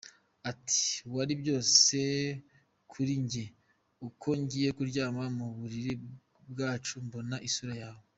Ati “ Wari byose kuri njye, uko ngiye kuryama mu buriri bwacu mbona isura yawe.